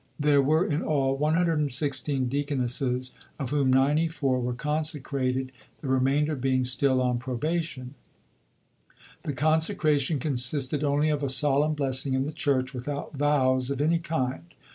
There were in all 116 deaconesses, of whom 94 were "consecrated," the remainder being still on probation. The "consecration" consisted only of "a solemn blessing in the Church, without vows of any kind."